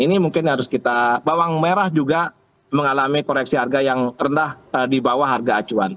ini mungkin harus kita bawang merah juga mengalami koreksi harga yang rendah di bawah harga acuan